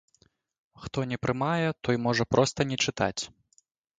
Хто не прымае, той можа проста не чытаць.